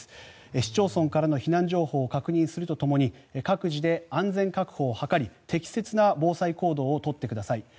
市町村からの避難情報を確認するとともに各自で安全確保を図り適切な防災行動を取ってください。